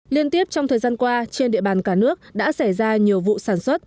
liên tiếp trong thời gian qua trên địa bàn cả nước đã xảy ra nhiều vụ sản xuất